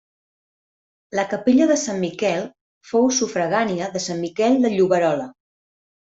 La capella de Sant Miquel fou sufragània de Sant Miquel de Lloberola.